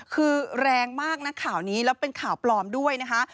คือแรงมากนะข่าวนี้แล้วเป็นข่าวปลอมด้วยนะคะ